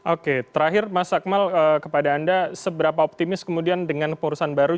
oke terakhir mas akmal kepada anda seberapa optimis kemudian dengan perusahaan baru